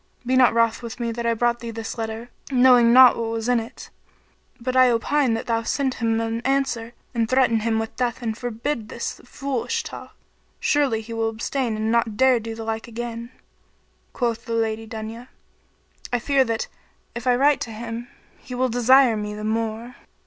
Be not wroth with me that I brought thee this letter, knowing not what was in it; but I opine that thou send him an answer and threaten him with death and forbid him this foolish talk; surely he will abstain and not do the like again." Quoth the Lady Dunya, "I fear that, if I write to him, he will desire me the more."